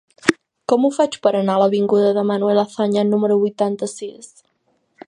Com ho faig per anar a l'avinguda de Manuel Azaña número vuitanta-sis?